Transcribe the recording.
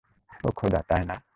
ওহ, খোদা তাই না?